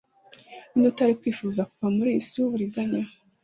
ninde utari kwifuza kuva muri iyi si y'uburiganya